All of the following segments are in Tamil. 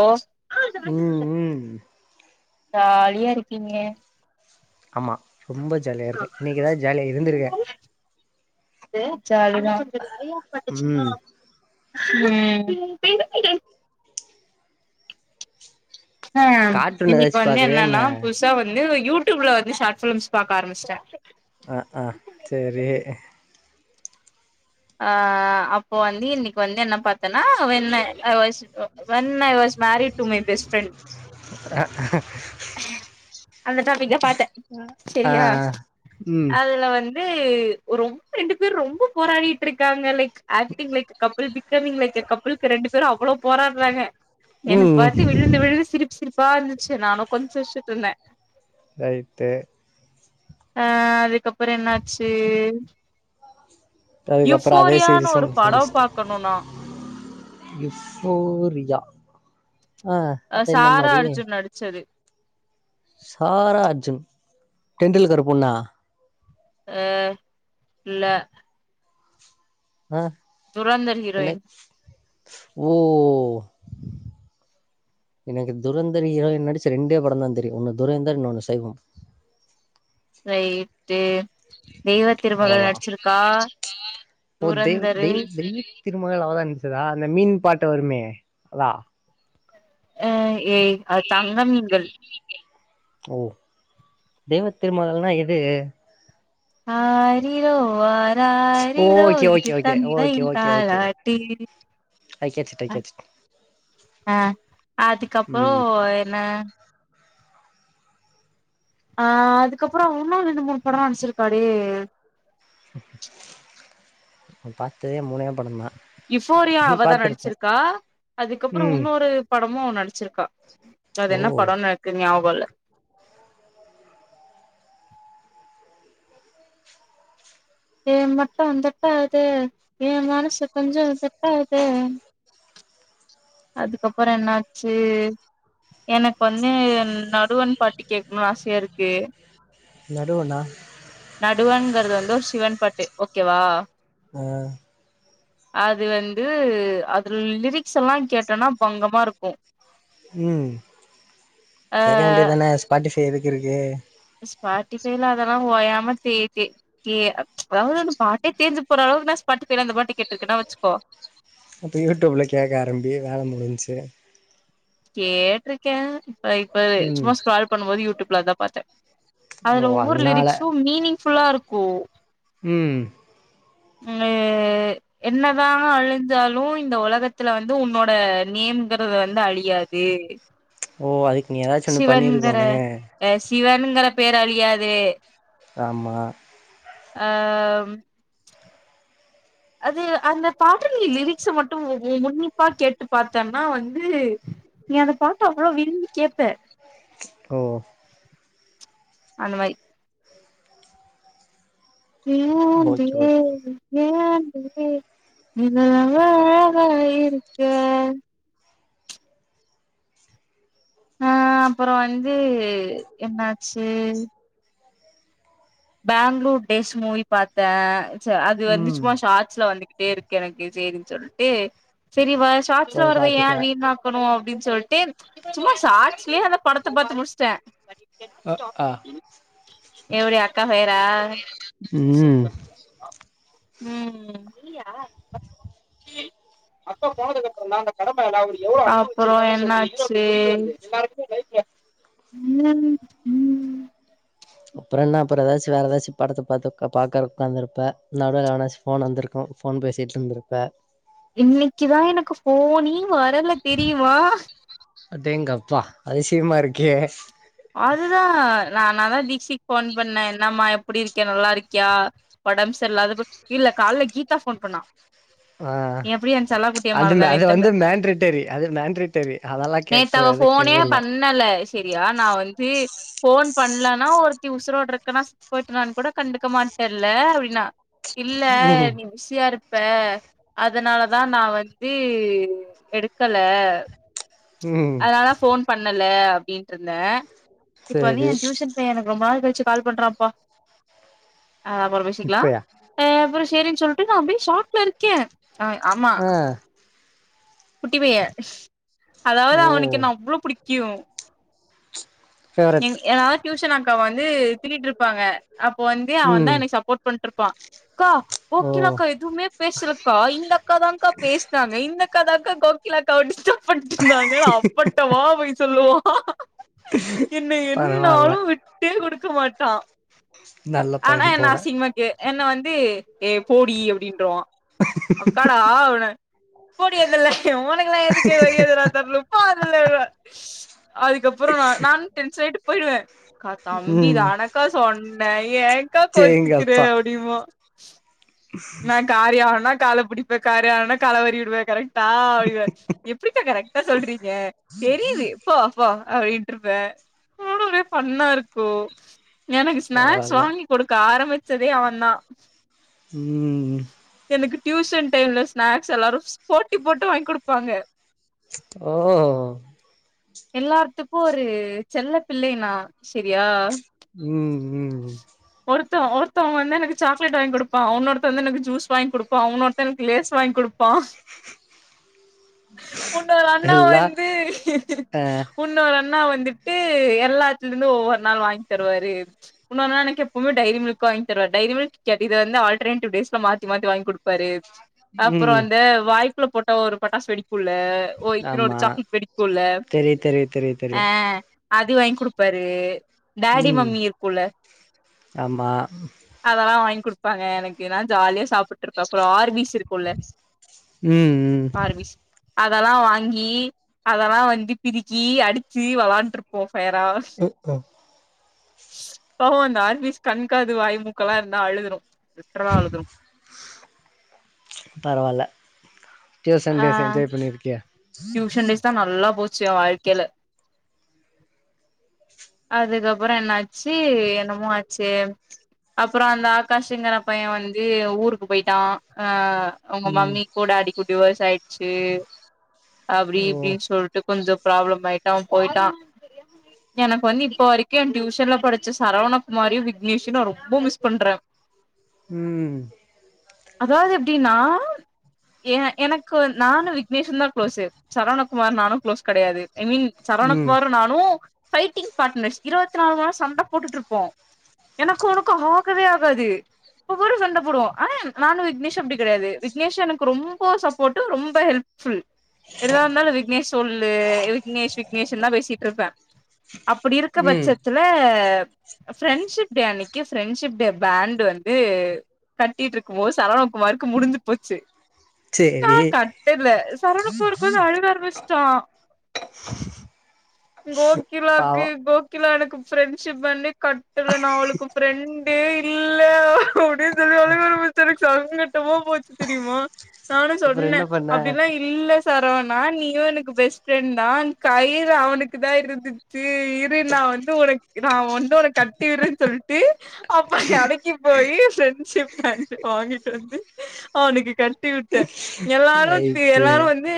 ஓ ம் ம் ஜாலியா இருக்கீங்க ஆமா ரொம்ப ஜாலியா இருக்கே இன்னைக்குதா ஜாலியா இருந்திருக்கே ஒரே ஜாலிதா ம் ஹா கார்ட்டூன் இன்னிக்கு ஏதாச்சு வந்து பாக்குறியா என்ன என்னன்னா புதுசா வந்து யூடியூப்ல வந்து ஷார்ட் ஃபிலிம்ஸ் பாக்க ஆரம்பிச்டே அ ஆ செரி ஆ அப்போ வந்து இன்னிக்கு வந்து என்ன பாத்தேன்னா வெண்ண அ வஷ் அ வெண்ண வ marry to my best friend ஹ அந்த டாபிக்க பாத்தே ஆ ஆ செரியா ம் அதுல வந் து ரொம்ப ரெண்டு பேரு ரொம்ப போராடிட்டு இருக்காங்க like acting like couple becoming like அ கப்பிளுக்கு ரெண்டு பேரு அவ்ளோ போராடுறாங்க எனக்கு ம் பாத்து விழுந்து விழுந்து சிரிப்பு சிரிப்பா இருந்துச்சு நானு உக்காந்து சிருச்சுட் இருந்தே ரைட்டு அ அதுக்கப்புற என்ன ஆச்சு அதுக்கப்புறோ அதே சீரீஸு ஒரு மு படோ முச்ட்டே பாக்கணு நா யுஃபோரியா ஆ அ அது என்ன சாரா மாரி அர்ஜுன் நடிச்சது சாரா அஜுன் டெண்டுல்கர் பொண்ணா அ இல்ல ஆ துரந்தர் என்ன ஹிரோயின் ஓ எனக்கு துரந்தர் ஹிரோயின் நடிச்ச ரெண்டே பட தா தெரியு ஒன்னு துரந்தர் இன்னொன்னு சைவம் [inaudible] ரைட்டு தெய்வ திருமகள் அவ்ளோதா நடிச்சிருக்கா ஓ தெய் துரந்தரு தெய் தெய்வ திருமகள் அவதா நடிச்சதா அந்த மீன் பாட்டு வருமே அதா அ ஏய் அது தங்க மீன்கள் ஓ தெய்வத்திருமகள்னா எது ஆரிரொ ஆ ராரி ரோ ஓகே ஓகே இது ஓகே ஓகே தந்தையின் ஓகே ஓகே தாலாட்டி I get it I get it ஆ அதுக்கப்புறோ ம் என்ன ஆ அதுக்கப்புறோ ஒன்னு ரெண்டு மூணு படொலா நடிச்சிருக்காளே நா பாத்ததே மூணே பட தா இஃபோரியா அவதா நடிச்சிருக்கா அதுக்கப்புறோ ம் இன்னொரு படமு அவ நடிச்சிருக்கா அது ஓ என்ன படனு எக்கு நியா போல்ல எ மட்டு தட்டாதே எ மனசு கொஞ்சொ தட்டாதே அதுக்கப்புறோ என்னாச்சு எனக்கு வந்து என்ன ஆதவன் பாட்டு கேட்கணும்னு ஆசையா இருக்கு நடுவண்ணா நடுவண்ங்கிறது வந்து ஒரு சிவன்பாட்டு ஓகேவா ஆ அது வந்து அதுல லிரிக்ஸ் எல்லா கேட்டோனா பங்கமா இருக்கு ம் அ கேக்க வேண்டியதுதான ஸ்பாட்டிபை எதுக்கு இருக்கு ஸ்பாட்டிஃபைல அதெல்லா ஓயாம தே தே தே அதாவது அந்த பாட்டே தேஞ்சி போற அளவுக்கு நா ஸ்பாட்டிஃபைல அந்த பாட்டு கேட்டுருக்கேன்னு வச்சிக்கோ அப்ப யூடியூப்ல கேக்க ஆரம்பி வேல முடிஞ்ச்சி கேட்ருக்கே இப்ப இப்ப ம் சும்மா ஸ்குரோல் பண்ணும்போது யூடியூப்ல அதா பாத்தே ஓ அதுல ஒவ்வொரு அதனால லிரிக்ஸு மீனிங்ஃபுல்லா இருக்கு ம் என்ன ஏ என்னதா அழிஞ்சாலு இந்த உலகத்துல வந்து உன்னோட நேம்ங்கிறது வந்து அழியா து ஓ அதுக்கு நீ ஏதாச்சு ஒண்ணு சிவன்கர பண்ணிருக்கோனு சிவன்கர பேர் அழியாது ஆமா ஆ ம் அது அந்த பாட்டுல லிரிக்ஸ மட்டு உன்னிப்பா கேட்டு பாத்தன்னா வந்து நீ அந்த பாட்ட அவ்ள விரும்பி கேப்ப ஓ அந்த மாரி ஏந்து ஓகே ஓகே ஏன் ஏ உன்னாலதா நாயிருக்க ஆ அப்பறோ வந்து என்னாச்சு பேங்களூர் டேஸ் மூவி பார்த்தே அது வந்து ம் சும்மா ஷார்ட்ஸ்ல வந்துகிட்டே இருக்கு எனக்கு சேரின்னு சொல்லிட்டு செரி வ ஷார்ட்ஸ்ல போய் வர்றத பாத்துட்டே ஏன் வீணக்கணு அப்டின்னு சொல்லிட்டு சும்மா ஷார்ட்ஸ்லயே அந்த படத்த பாத்து முடிஸ்ட்டே ஆ எவடி அக்கா பெயரா ம் ம் அப்பறோ என்னாச்சி ம் ம் அப்பறோ என்ன அப்பறோ ஏதாச்சு வேற எதாச்சு படத்த பாத்து உக்கா பாக்க உக்காந்துருப்ப நடுல எவனாச்சு ஃபோன் வந்துருக்கு ஃபோன் பேசிட்டுருந்துருப்ப இன்னிக்குதா எனக்கு ஃபோனே வரல தெரியுமா அடேங்கப்பா அதிசியமா இருக்கே அதுதா நானதா தீக்சிக்கி ஃபோன் பண்ணே என்னம்மா எப்புடி இருக்க நல்லாருக்கியா ஒடம் சரில்லாதப்ப இல்ல கால்ல கீதா ஃபோன் பண்ணா ஆ எப்டி என் செல்ல குட்டிய அது மே மறந்தனே அது தெர்ல வந்து மேண்ட்ரிட்டரி அது மேண்ட்ரிட்டரி அதெல்லா கேக் நேத் அவ ஃபோனே பண்ணல செரியா நா தீ ஃபோன் பண்லன்னா ஒருத்தி உசுரோடருக்கேனா செத்து போயிட்டனான்னு கூட கண்டுக்க மாட்டெல்ல அப்டின்னா இல்ல ம் நீ விசியாருப் ப அதனாலதா நா வந்து எடுக்கல ம் அதனால தா ஃபோன் பண்ணல அப்டினுட்டுருந்தே இப்ப வந்து சேரி ஏ டியூசன் பைய எனக்கு ரொம்ப நாள் கழிச்சி கால் பண்றாப்பா ஆ அப்பறோ பேசிக்லா இப்பயா ஆ அப்பறோ சேரின்னு சொல்ட்டு நா அப்டியே ஷாக்ல இருக்கே ஆய் ஆமா ஆ குட்டி பைய அதாவது ஓ அவனுக்கு என்ன அவ்ளோ புடிக்கு ஃபேவரட் என் எதா டியூஷன் அக்கா வந்து திட்டிட்ருப்பாங்க அப்ப வந்து அவன் தா ம் எனக்கு சப்போர்ட் பண் டுருப்பான் க்கா ஓ கோக்கிலாக்கா எதுமே பேசுலக்கா இந்தக்கா தான்கா பேசுனாங்க இந்தக் க்கா தாக்கா கோக்கிலாக்காவ டிஸ்டப் பணட்ருந்தாங்க அப்பட்டமா பொய் சொல்லுவா என்ன பரவால்ல என்னாலு விட்டே கொடுக்க மாட்டா நல்ல ஆனா பைய என்ன போல அசிங்மா கே என்ன வந்து ஏ போடி அப்டின்றுவா அக்காடா அவன போடி அந்தல்ல உனக்குல்லா எதுக்கு மரியத நா தர்ணு போ அந்தல்ல ரா அதுக்கப்ரோ நா நான் டென்ஷனாயிட்டு போயிடுவே கா தம்பி ம் தானக்கா சொன்னே ஏ ஏங்க்கா கோத்துக்கிற சேரிங்கப்பா அப்படிம்பா நா காரியோ ஆனா கால புடிப்ப காரிய ஆலனா கால வாரி விடுவே கரெக்ட் டா அப்டிப எப்டிகா கரெக்ட்டா சொல்றீங்க தெரீது போ போ அப்டின் டுருப குடவே ஃபண்ணாருக்கு எனக்கு ஸ்நாக்ஸ் பரவால்ல வாங்கி கொடுக்க ஆரமிச் சதே அவன்தா ம் எனக்கு டியூஷன் டைம்ல ஸ்நாக்ஸ் எல்லாருஸ் போட்டிப்போட்டு வாங்கி குடுப்பாங்க ஓ எல்லார்த்துக்கு ஒரு செல்ல பிள்ளைனா செரியா ம் ம் த்த ஒர்த்த வந்து எனக்கு சாக்லேட் வாங் குடுப்பா இனொருத்த வந்து எனக்கு ஜூஸ் வாங்கி குடுப்பா இனொருத்த எனக்கு லேஸ் வாங்கி குடுப்பா உன்னொரு அண்ணா எல்லா வந்து அ உன்னொரு அண்ணா வந்து ட்டு எல்லாத்துதுமே ஒவ்வரு நாள் வாங்கி தருவாரு இன்னொரு நா எனக்கு எப்பவ்மே டைரி மில்க் வாங்கி தருவார் டைரி மில்க் கிக்கேட் இத வந்து ஆல்ட்ரநெடிவ் டேஸ்ல மாத்தி மாத்தி வாங்குடுப்பாரு அப்றோ ம் அந்த வாய்க்குள்ள போட்டா ஒரு பட்டாசு வெடிக் குள்ள ஓ இத்னோடு ஆமா சாக்லட் வெடிக்குல்ல தெரியு தெரியு தெரியு ஆ அது வாங்கி குடுப்பாரு டாடி ம் மம்மி இருக்குல்ல ஆமா அதெல்லா வாங் குடுப்பாங்க எனக்கு நா ஜாலியா சாப்புட்டுருப்ப அப்ரோ ஆர்வீஸ் இருக்குல்ல ம் ம் ஆர்பிஸ் அதெல்லா வாங்கி அதெல்லா வந்து பிரிக்கி அடுச்சு வெளாண்ட்டுருப்போ பெர்ரார்ஸ் ம் ம் ஹ பாவோ அந்த ஆர்வீஸ்கு கண்காது வாய் மூக்க எல்லாம் இருந்தா அழுதுடும் லிட்ரலா அழுதுடும் [inaudible] பரவாயில்ல ஆ டியூசன்டேஸ் என்ஜாய் பண்ணிருக்கிய ச வாழ்கல அதுக்கப்ரோ என்னாச்சு என்னமோ ஆச்சே அப்ரோ அந்த ஆகாஷங்கிற பைய வந்து ஊருக்கு போயிட்டான் அ அவுங்க ம் மாமிகூ டாடிகூ டிவோஸ் ஆயிடுச்சு அப்படி ஓ இப்படின் சொல்ட்டு கொஞ்சோ ப்ராப்ளம் ஆயிட்டு அவ போயிட்டான் எனக்கு வந்து இப்ப வரைக்கும் என் டியூஷன்ல படிச்ச சரவண குமாரியும் விக்னேஷயும் நா ரொம்ப மிஸ் பண்ற உம் அதாவது எப்டின்னா ஏ எனக்கு நானு விக்னேஷுன் தா கு்ளோஸ் சரவணகுமார் நானும் கு்ளோஸ் கிடையாது ஐ மீன் ம் சரவணகுமார் நானும் ஃபைட்டிங் பார்ட்னர்ஸ் இருவத்தி நாலு மனேரோ சண்ட போட்டுட்டு இருப்போ எனக்கு அவனுக்கு ஆகவே ஆகாது இப்பகுடா சண்ட போடுவோ ஆனா நானும் விக்னேஷ் அப்படி கடையாது விக்னேஷ் எனக்கு ரொம்ப சப்போர்ட் ரொம்ப ஹெல்ப் ஃபுல் எதா இருந்தாலும் விக்னேஷ் சொல்லு விக்னேஷ் விக்னேஷ்ல்லாம் பேசிட்டு இருப்பேன் அப்படி இருக்க ம் பட்சத்துல ப்ரெண்ட்ஷிப் டே அன்னைக்கு ப்ரெண்ட்ஷிப் டே பேண்ட் வந்து கட்டிட்டு இருக்கும் போது சரவணாகுமாருக்கு முடிஞ்சு போச்சு சேரி நான் கட்டல சரணக்குமார் உக்காந்து அழுவ ஆரம்பிச்சிட்டா [inaudible] கோகிலாக்கு பாவோ கோகிலா எனக்கு பிரரெண்ட்ஷிப் பேண்ட் கட்டல நான் அவளுக்கு பிரெண்ட் இல்ல [inaudible] சங்கட்டம போச்சு தெரியுமா நானு அப்றோ சொன்னே என்ன பண்ண அப்படிலா இல்ல சரவனா நீயும் எனக்கு பெஸ்ட் ப்ரெண்ட் தான் கயிறு அவனுக்கு தா இருந்துச்சு இரு நான் வந்து உன நான் வந்து உனக்கு கட்டிவிற்ற சொல்லிட்டு அப்ப எனக்கி போய் ப்ரெண்ட்ஷிப் பேண்ட் வாங்கிட்டு வந்து அவனுக்கு கட்டி விட்டு எல்லாரும் ரைட்டு எல்லாரும் வந்து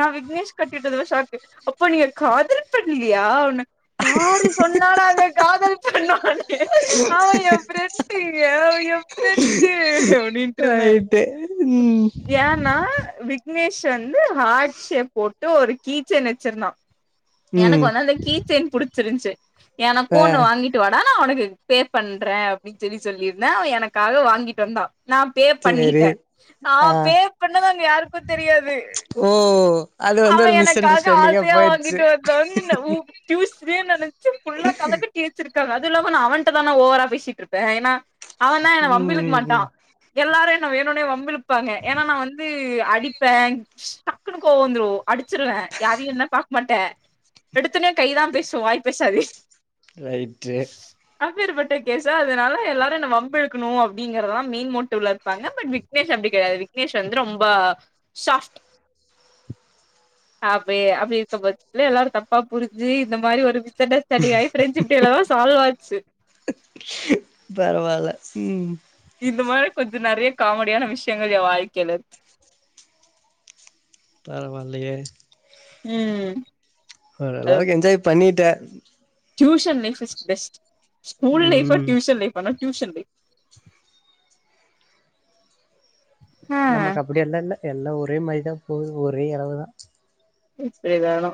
நான் விக்னேஷ் கட்டிட்டது ஷாக்கு அப்போ நீங்க காதல் பன்லையா யாரு சொன்னா நாங்க காதல் பண்ணு அவ என் பிரரெண்டு அவ என் பிரரெண்டு அப்படின்ட்டு இருந்தே ரைட்டு ம் ஏன்னா விக் விக்னேஷ் வந்து ஹார்ட் ஷேப் போட்டு ஒரு கீச்சை நச்சிருந்தா எனக்கு ம் வந்து அந்த கீச்சேன் புடிச்சிருந்துச்சு ஏன்னா ஆ கோன்னு வாங்கிட்டு வாடா அவனக்கு பேப் பண்றேன் அப்படின்னு சொல்லி சொல்லியிருந்தே அவன் எனக்காக வாங்கிட்டு வந்தா நான் பே சேரி பண்ணிட்டேன் ஆ ஆஹ் பே பண்ணத அங்க யாருக்கு தெரியாது ஓ அது வந்து ஒரு மிஸ் அண்டர்ஸ்டாண்டிங்கா போயிருச்சு [unintelligible] நினைச்சு புல்லா கதக்கட்டியச்சிருக்கு இருக்க அதுலக நான் அவனிட்டா தானே ஓவரா பேசி இருப்பே ஏன்னா அவன் தான் என்ன வம்பழுக்க மாட்டா ம் எல்லாரு என்னை வேணுனே வம்பழுப்பாங்க ஏன்னா நான் வந்து அடிப்பேன் டக்குன்னு கோவாம் வந்திரும் அடிச்சிருவேன் யாரையும் என்ன ப மாட்டேன் எடுத்துனே கைதா பேசோம் வாய் பேசாது ரைட்டு ஆ வேறுபட்ட கேஸ் அதனால எல்லாரு என் வம்பழுக்கணு அப்படிங்கிறத மயின் மோட்டிவ்ல இருப்பாங்க பட் விக்னேஷ் அப்படி கிடையாது விக்னேஷ் வந்து ரொம்ப சாப்ட் அப அப்படி இருக்க பட்சத்துல எல்லாரு தப்பா புரிஞ்சு இந்த மாதிரி ஒரு வி [unintelligible] ப்ரெண்ட்ஷிப் டேலதான் சால்வாச்சு பரவால்ல ம் இது நிறைய காமெடியான விஷயங்கள் என் வாழ்க்கையில பரவாஇல்லையே உம் ஒரு அளவுக்கு என்ஜாய் பண்ணிட்டே tuition life is best school லைபா ம் டியூஷன் லைபானா டியூஷன் லைப் நமக்கு அப்படிய எல்லா இல் எல்லா ஒரே மாரிதா போகு ஒரே அளவு தா எப்படிதானோ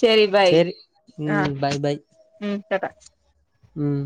சரி பாய் சேரி ஆஹ ம் பாய் பாய் ம் டாடா ம்